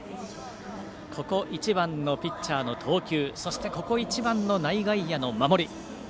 ここ一番のピッチャーの投球そして、ここ一番の内外野の守り。